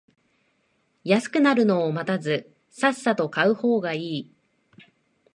安くなるのを待たずさっさと買う方がいい